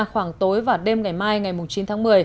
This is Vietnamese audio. khoảng tối và đêm ngày mai ngày chín tháng một mươi